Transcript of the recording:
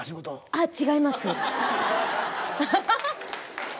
あっ違います。